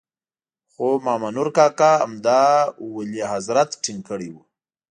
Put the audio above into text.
خو مامنور کاکا همدا ولي حضرت ټینګ کړی وو.